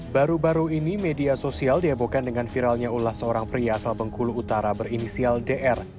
baru baru ini media sosial dihebohkan dengan viralnya ulas seorang pria asal bengkulu utara berinisial dr